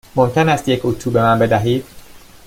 ممکن است یک اتو به من بدهید؟